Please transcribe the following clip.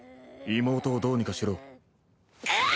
妹をどうにかしろ。